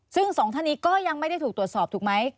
ซึ่งสองท่านนี้ก็ยังไม่ได้ถูกตรวจสอบถูกไหม